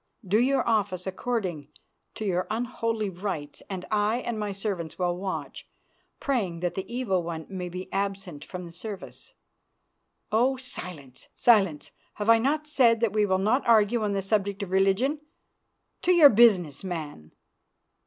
Do your office according to your unholy rites, and I and my servants will watch, praying that the Evil One may be absent from the service. Oh! silence, silence! Have I not said that we will not argue on subjects of religion? To your business, man."